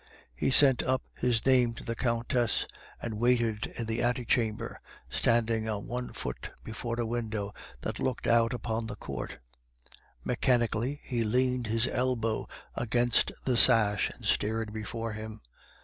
He sent up his name to the Countess, and waited in the ante chamber, standing on one foot before a window that looked out upon the court; mechanically he leaned his elbow against the sash, and stared before him.